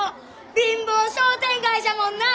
貧乏商店街じゃもんなあ！